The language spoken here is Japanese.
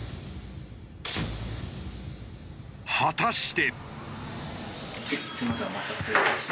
果たして。